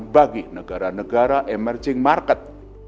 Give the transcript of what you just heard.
bagi negara negara emerging market